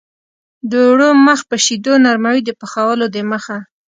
د اوړو مخ په شیدو نرموي د پخولو دمخه.